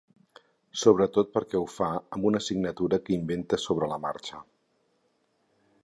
Sobretot perquè ho fa amb una signatura que inventa sobre la marxa.